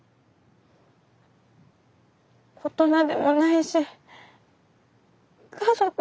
大人でもないし家族でもない。